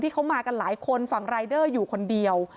เขามากันหลายคนฝั่งรายเดอร์อยู่คนเดียว